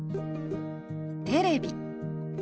「テレビ」。